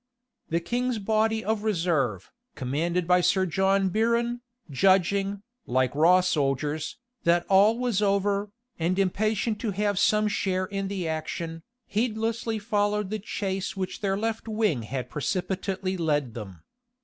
The king's body of reserve, commanded by Sir John Biron, judging, like raw soldiers, that all was over, and impatient to have some share in the action, heedlessly followed the chase which their left wing had precipitately led them.